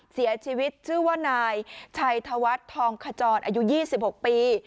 เสียชีวิตชื่อว่านายชัยธวัฒน์ทองขจรอายุ๒๖ปี